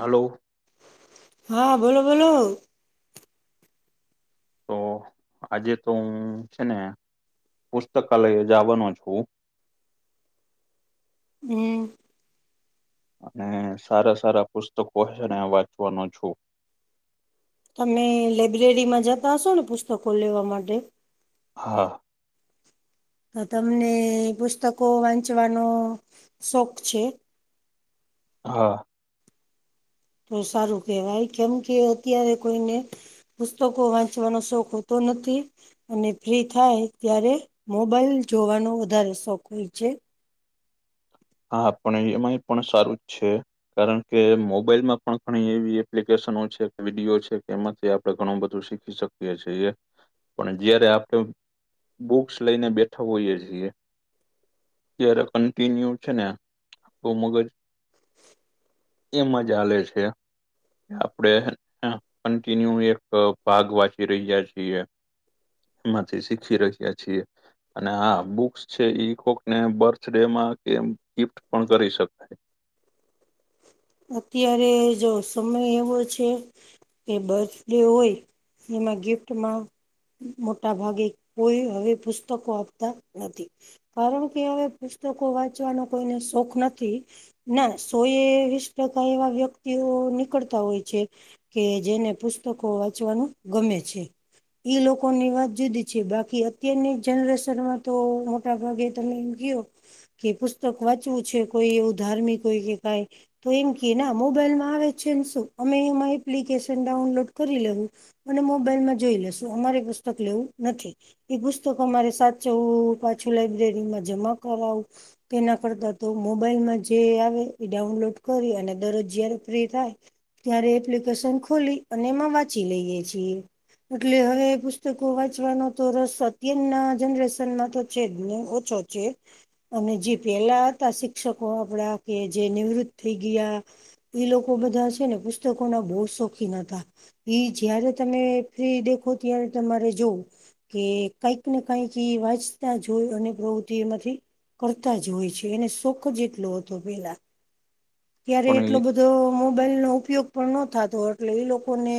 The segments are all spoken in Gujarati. હલો હા બોલો બોલો તો આજે તો હું છે ને પુસ્તકાલય જવાનો છું. હમ. અને સારા સારા પુસ્તકો હ વાંચવાનો છું. તમે લઇબ્રેરીમાં જતા હશો ને પુસ્તકો લેવા માટે હા. તમને પુસ્તકો વાંચવાનો શોખ છે. હા. તો સારું કેહેવાય કેમ કે અત્યારે કોઈને પુસ્તકો વાંચવાનો શોખ હોતો નથી. અને ફ્રી થાય ત્યારે મોબાઈલ જોવાનો વધારે શોખ હોય છે. હા પણ એમાંય પણ સારું જ છે. કારણ કે મોબાઈલ માં પણ ઘણી એવી એપ્લિકેશનો છે વિડીયો છે કેમ આપણે ઘણું બધું શીખી શકીએ છીએ પણ જયારે આપણે બુક્સ લઈને બેઠા હોઈએ છીએ ત્યારે કન્ટિન્યુ છેન હમગજ એ મજાલે છે. આપડે કન્ટિન્યુ એક ભાગ વાંચી રહ્યા છીએ માથી શીખી રહખ્યાએ છીએ. અને હા બુક્સ છે ઈ કોક ને બર્થ ડેમાં કે ગિફ્ટ પણ કરી શકાય. અત્યારે જો સમય એવો છે. કે બર્થ ડે હોય એમાં ગિફ્ટ મા મોટા ભાગે કોઈ હવે પુસ્તકો આપતા નથી. કારણ કે હવે પુસ્તકો વાંચવાનો કોઈને શોખ નથી. ના સો એ વીસ ટકા એવા વ્યક્તિઓ નીકળતા હોય છે. કે જેને પુસ્તકો વાંચવાનું ગમે છે. ઈ લોકોની વાત જુદી છે બાકી અત્યારની જનરેશનમાં તો મોટા ભાગે તમે એમ કયો કે પુસ્તક વાંચવું છે કોઈ એવું ધાર્મિક હોય કે કઈ તો એમ કે ના મોબાઈલમાં આવે છે ને શું અમે એમાં એપ્લિકેશન ડાઉનલોડ કરી લેવું અને મોબાઈલમાં જોઈ લેશુ અમારે પુસ્તક લેવું નથી. એ પુસ્તકો મારે સાચવું પાછું લાઈબ્રેરીમાં જમા કરાવું કે ના કરતા તો મોબાઈલમાં જે આવે એ ડાઉનલોડ કરી અને દરરોજ જયારે ફ્રી થાય. ત્યારે એપ્લિકેશન ખોલી અને એમાં વાંચી લઈએ છીએ. એટલે હવે પુસ્તકો વાંચવાનો તો રસ અત્યારના જનરેશનમાં તો છે જ ને ઓછો અને જે પેલા હતા શિક્ષકો આપડા કે જે નિવૃત્ત થઈ ગયા. એ લોકો બધા છે ને પુસ્તકો ના બહુ શોખીન હતા. એઈ જયારે તમે ફ્રી દેખો ત્યારે તમારે જોવ કે કઈક ને કઈક વાંચતા જોય અને પ્રવૃત્તિ એમાંથી કરતા જ હોય છે. એને સુોખ જેટલો હતો પેલા, ત્યારે પણ એટલો ઈ બધો મોબાઈલ નો ઉપયોગ પણ નો થતો એટલે એ લોકોને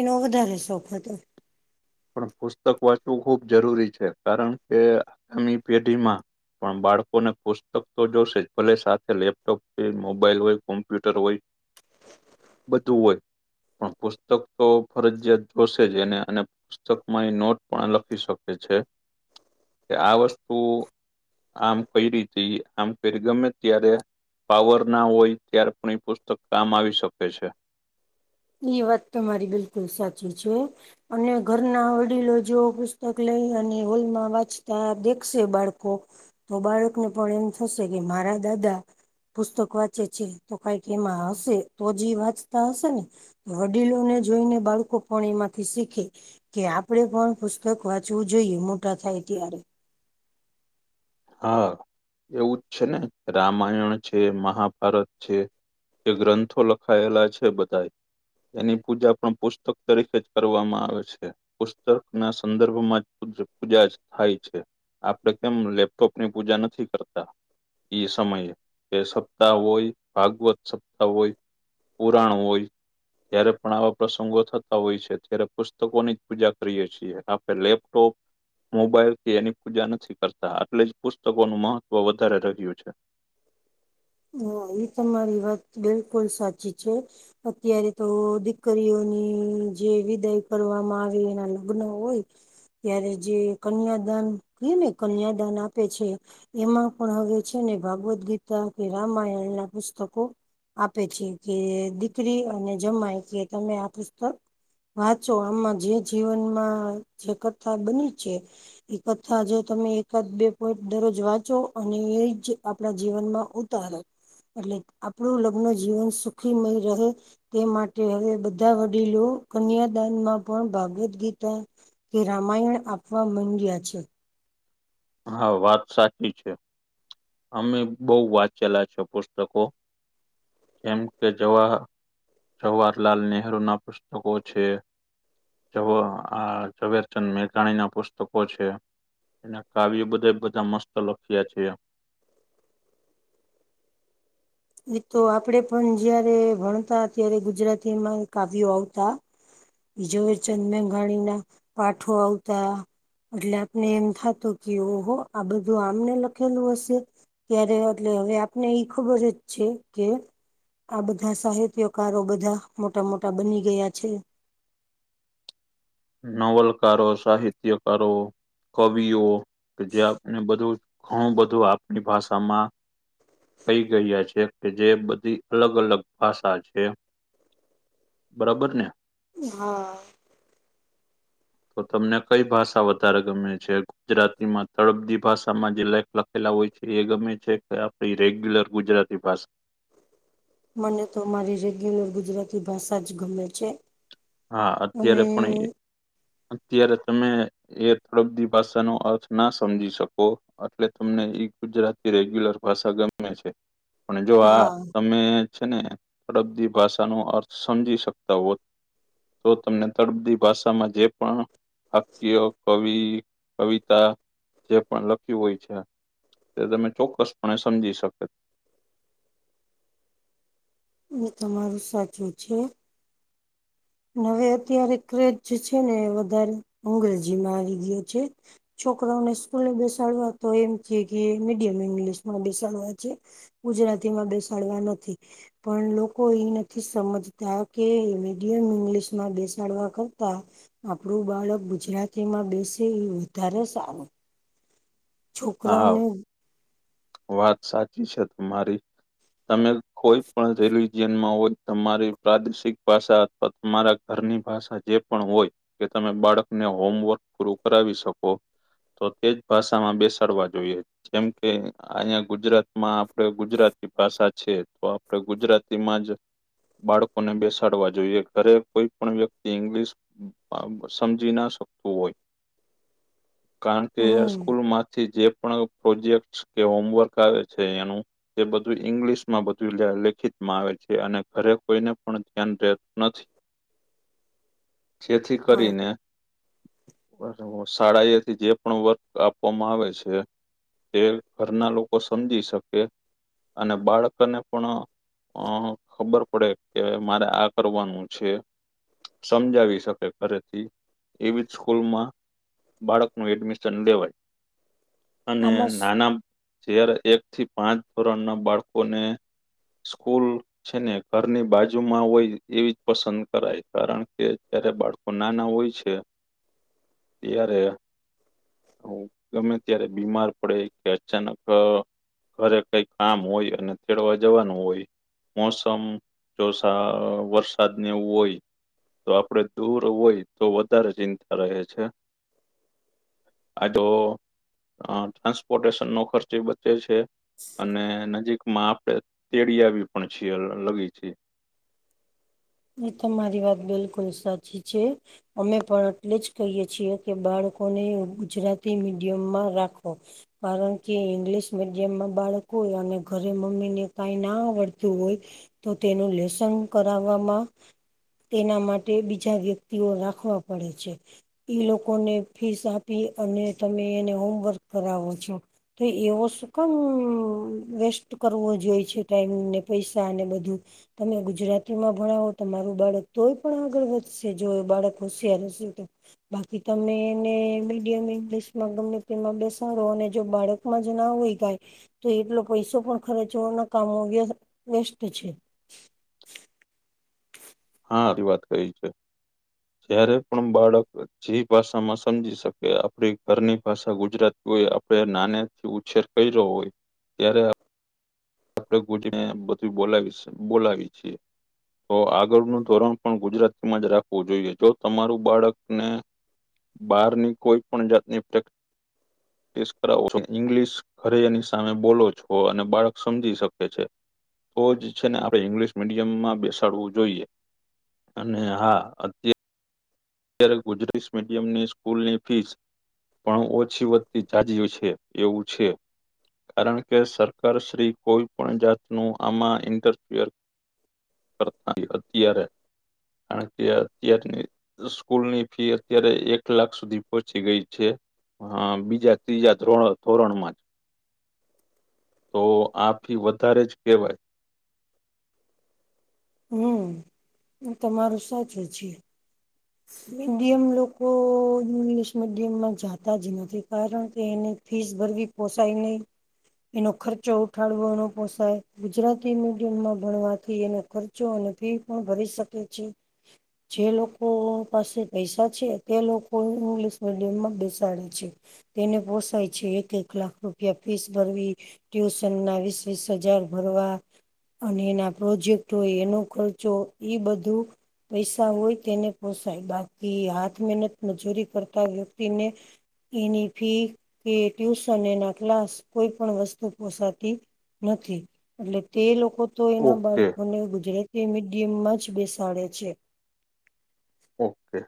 એનો વધારે શોખ હતો. પણ પુસ્તક વાંચવું ખૂબ જરૂરી છે. કારણ કે આગામી પેઢીમાં પણ બાળકોને પુસ્તક તો જોશે જ, ભલે સાથે લેપટોપ, મોબાઈલ હોય, કોમ્પ્યુટર હોય, બધું હોય પણ પુસ્તક તો ફરજયાત જોશે જ એને અને પુસ્તકમાં એ નોટ પણ લખી શકે છે કે, આ વસ્તુ આમ કઈ રીતે આમ કઈ ગમે ત્યારે પાવર ના હોય ત્યાર પણ એ પુસ્તક કામ આવી શકે છે. એ વાત તો મારી બિલકુલ સાચી છે. અને ઘરના વડીલો જો પુસ્તક લઈ અને હોલમાં વાંચતા દેખશે બાળકો તો બાળકને પણ એમ થશે કે મારા દાદા પુસ્તક વાંચે છે તો કઈક એમાં હશે તો જ વાંચતા હશે ને? વડીલો ને જોઈને બાળકો પણ એમાંથી શીખે. કે આપડે પણ પુસ્તક વાંચવું જોઈએ મોટા થાય ત્યારે. હા એવું જ છે ને, રામાયણ છે, મહાભારત છે. જે ગ્રંથો લખાયેલા છે બધા એની પૂજા પણ પુસ્તક તરીકે જ કરવામાં આવે છે. પુસ્તક ના સંદર્ભમાં પૂજા થાય છે. આપડે કેમ લેપ તોપની પૂજા નથી કરતા. એઈ સમયે એ સપ્તાહ હોય, ભાગવત સપ્તાહ હોય પુરાણું હોય. જયારે પણ આવા પ્રસંગો થતા હોય છે, ત્યારે પુસ્તકોની જ પૂજા કરીએ છીએ આપણે લેપટોપ મોબાઈલથી એની પૂજા નથી કરતા આટલે જ પુસ્તકોનું મહત્વ વધારે રહ્યું છે. હ એ તમારી વાત બિલકુલ સાચી છે. અત્યારે તો દીકરીઓની જે વિદાય કરવામાં આવે એના લગ્ન હોય, ત્યારે જે કન્યાદાન ક ને કન્યાદાન આપે છે. એમાં પણ હવે છે ને, ભાગવદ્ ગીતા કે રામાયણ ના પુસ્તકો આપે છે કે દીકરી અને જમાય કે તમે આ પુસ્તક વાંચો આમાં જે જીવનમાં જે કથા બની છે. એક થા જો તમે એકાદ બે પોઈન્ટ દરરોજ વાંચો અને એ જ આપણા જીવનમાં ઉત એટલે આપણું લગ્ન જીવન સુખીમય રહે. તે માટે હવે બધા વડીલો કન્યાદાનમાં પણ ભાગવદ ગીતા કે રામાયણ આપવા મંડ્યા છે. હા વાત સાચી છે. અમે બહુ વાંચેલા છ પુસ્તકો કેમ કે જવાહ જવાહરલાલ નેહરુ ના પુસ્તકો છે. જ આ ઝવેરચંદ મેઘાણી ના પુસ્તકો છે. એના કાવ્ય બધા બધા મસ્ત લખ્યા છેએ તો આપડે પણ જયારે ભણતા ત્યારે, ગુજરાતીમાં કાવ્યો આવતા. ઝવેરચંદ મેઘાણીના પાઠો આવતા. એટલે આપને એમ થતું કે ઓહો આ બધું આમને લખેલું હશે. ક્યારે એટલે હવે આપને એઈ ખબર જ છે કે આ બધા સાહિત્યકારો બધા મોટા મોટા બની ગયા છે. નવલકારો, સાહિત્યકારો, કવિઓ કે જે આપને બધું ઘણું બધું આપણી ભાષામાં. કઈ ગયા છે કે, જે બધી અલગ અલગ ભાષા છે. બરાબર ને. હા. તો તમને કઈ ભાષા વધારે ગમે છે? ગુજરાતીમાં તળબદી ભાષામાં જે લેખ લખેલા હોય છે, એ ગમે છે કે? રેગ્યુલર ગુજરાતી ભાષા. મને તો મારી રેગ્યુલર ગુજરાતી ભાષા જ ગમે છે. હા, અને અત્યારે પણ અત્યારે તમે એ થોડ બધી ભાષાનો અર્થ ના સમજી શકો. એટલે તમને ઈ ગુજરાતી રેગ્યુલર ભાષા ગમે છે. પણ જો આ હા તમે છે ને, તળદપી ભાષાનો અર્થ સમજી શકતા હો. તો તમને તળબદી ભાષામાં જે પણ હકીયો કવિ, કવિતા જે પણ લખ્યું હોય છે. તે તમે ચોક્કસપણે સમજી શકે. એ તમારું સાચું છે. હવે અત્યારે ક્રેજ જે છે ને, વધારે અંગ્રેજીમાં આવી ગયો છે. છોકરાઓને સ્કૂલે બેસાડવા તો એમ છે કે, મીડિયમ ઇંગ્લિશ બેસાડવા છે. ગુજરાતીમાં બેસાડવા નથી. પણ લોકો એ નથી સમજતા, કે એ મિડિયમ ઇંગલિશમાં બેસાડવા કરતા. આપણું બાળક ગુજરાતીમાં બેસે, એ વધારે સારું. હા છોકરાઓને. વાત સાચી છે તમારી. તમે કોઈ પણ રિલીજયનમાં હોય, તમારી પ્રાદેશિક ભાષા. તો તમારા ઘરની ભાષા જે પણ હોય. કે તમે બાળકને હોમવર્ક પૂરું કરાવી શકો? તો તે જ ભાષામાં બેસાડવા જોઈએ, જેમ કે કે અહીંયા ગુજરાત માં આપણે ગુજરાતી ભાષા છે, તો આપણે ગુજરાતીમાં જ બાળકોને બેસાડવા જોઈએ, ઘરે કોઈ પણ વ્યક્તિ ઇંગ્લિશ સમજી ના શકતું હોય. [inaudible] કારણ કે હમ સ્કૂલમાંથી જે પણ પ્રોજેક્ટ કે હોમવર્ક આવે છે એનું. તે બધું ઈંગ્લિશમાં બધું લેખિતમાં આવે છે, અને ઘરે કોઈને પણ ધ્યાન રહેતું નથી. [inaudible] [inaudible] જેથી કરીને શાળાએથી જે પણ વર્ક આપવામાં આવે છે તે. ઘરના લોકો સમજી શકે, અને બાળકને પણ અ ખબર પડે કે, મારે આ કરવાનું છે. સમજાવી શકે, ઘરેથી એવી જ સ્કૂલમાં બાળકનું એડમિશન લેવાય, અને આમાં નાના જ્યારે એક થી પાંચ ધોરણના બાળકોને સ્કૂલ. છે ને, ઘરની બાજુમાં હોય, એવી જ પસંદ કરાય, કારણ કે જ્યારે બાળકો નાના હોય છે. [inaudible] ત્યારે હ, ગમે ત્યારે બીમાર પડે કે. અચાનક ઘરે કઈ કામ હોય, અને તેડવા જવાનું હોય. મોસમ જો વરસાદને એવું હોય. તો આપડે દૂર હોય, તો વધારે ચિંતા રહે છે. આ જો અ ટ્રાન્સપોટેશ નો ખર્ચય બચે છે અને નજીક મા આપ તે તેડીયાવી પણ છી લગી છે. એ તમારી વાત બિલકુલ સાચી છે. અમે પણ એટલે જ કહીએ છીએ કે બાળકોને ગુજરાતી મીડિયમમાં રાખો. કારણ કે ઈંગ્લિશ મીડિયમમાં બાળકો હોય અને ઘરે મમ્મી ને કાઈ ના આવડતું હોય તો તેનું લેસન કરાવવામાં તેના માટે બીજા વ્યક્તિઓ રાખવા પડે છે. ઈ લોકોને ફીસ આપીએ અને તમને એને હોમવર્ક કરાવો છો. તો એવો શું કમ વેસ્ટ કરવો જોઈ છે ટાઈમ ને પૈસા ને બધું. તમે ગુજરાતી માં ભણાવો તમારું બાળક તોય પણ આગળ વધશે જો એ બાળક હોશિયાર હશે તો. બાકી તમે એને મીડિયમ ઇંગ્લિશમાં ગમે તેમાં બેસાડો અને જો બાળક મજ ના હોય કાય તો એટલો પૈસો પણ ખરચવો નકામો વ્ય વ્યસ્ત છે. હા રી વાત કઈ છે. [inaudible] જયારે પણ બાળક જે ભાષામાં સમજી શકે આપણી ઘરની ભાષા ગુજરાત કોઇએ આપડે નાને થી ઉછેર કર્યો હોય ત્યારે આ [unintelligible] બધું બોલાવી સ બોલાવી છીએ. તો આગળનું ધોરણ પણ ગુજરાતીમાં જ રાખવું જોઈએ જો તમારું બાળકને બહારની કોઈ પણ જાતની પ્રે ક્ટિસ કરાવો છો ઇંગ્લિશ ઘરે એની સામે બોલો છો અને બાળક સમજી શકે છે તો જ છે ને આપડે ઈંગ્લિશ મીડિયમમાં બેસાડવું જોઈએ. અને હા અ ત્યારે ગુજરાત મીડિયમ ની સ્કૂલની ફીસ પણ ઓછી વત્તી જાજીએ છે એવું છે. કારણ કે સરકારશ્રી કોઈ પણ જાતનું આમાં ઇન્ટરફિયર કરતા [unintelligible] અત્યારે કારણ કે અત્યારની સ્કૂલની ફી અત્યારે એક લાખ સુધી પહોંચી ગઈ છે. હા બીજા ત્રીજા ધ્રોણ ધોરણ માં જ. તો આ ફી વધારે જ કેહેવાય. હમ હું તમારું સાચું છીએ. મીડિયમ લોકો ઇંગ્લિશ મીડિયમમાં જાતા જ નથી કારણ કે એને ફીસ ભર બી પોસાાય નહીં એનો ખર્ચો ઉઠાડવોનો પોસાય ગુજરાતી મીડિયમમાં ભણવાથી એનો ખર્ચ ચો અને ફી પણ ભરી શકે છે જે લોક કો પાસે પૈસા છે તે લોકો ઇંગ્લિશ મીડિયમમાં બેસાડે છે. તેને પોસાય છે એક એક લાખ રૂપિયા ફીસ ભરવી. ટ્યુશન ના વીસ વીસ હજાર ભરવા. અને એના પ્રોજેક્ટ હોય એનો ખર્ચો એ બધું પૈસા હોય તેને પોસાય બાકી હાથ મહેનત મજૂરી કરતા વ્યક્તિને એની ફી કે ટ્યુશન એના ક્લાસ કોઈ પણ વસ્તુ પોસાતી નથી એટલે તે લોકો તો એના ઓકે બાળકોને ગુજરાતી મીડિયમ માં જ બેસાડે છે. ઓકે.